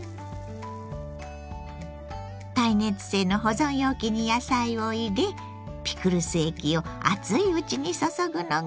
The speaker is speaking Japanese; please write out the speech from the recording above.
耐熱性の保存容器に野菜を入れピクルス液を熱いうちに注ぐのがポイント。